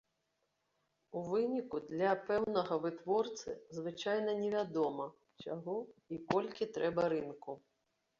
У выніку для пэўнага вытворцы звычайна невядома, чаго і колькі трэба рынку.